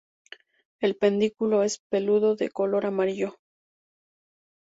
El pedúnculo es peludo, de color amarillo.